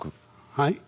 はい？